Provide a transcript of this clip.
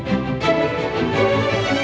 sử dụng điều kiện này